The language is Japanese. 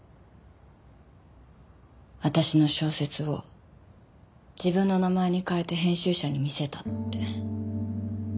私の小説を自分の名前に変えて編集者に見せたって。